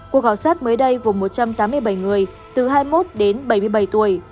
cuộc khảo sát mới đây gồm một trăm tám mươi bảy người từ hai mươi một đến bảy mươi bảy tuổi